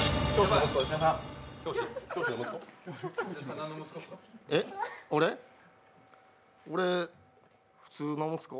教師の息子？